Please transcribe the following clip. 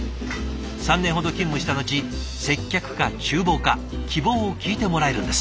３年ほど勤務したのち接客かちゅう房か希望を聞いてもらえるんです。